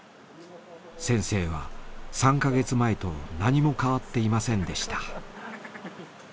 先生は３カ月前と何も変わっていませんでした。